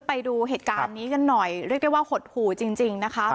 ไปดูเหตุการณ์นี้กันหน่อยเรียกได้ว่าหดหู่จริงนะคะ